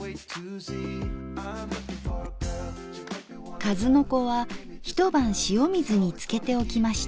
かずのこは一晩塩水につけておきました。